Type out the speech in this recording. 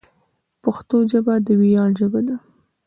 پښتو ژبه د ویاړ ژبه ده.